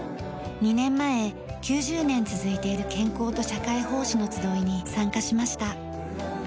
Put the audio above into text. ２年前９０年続いてる健康と社会奉仕の集いに参加しました。